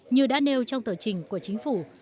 như đã nêu trong tờ trình của chính phủ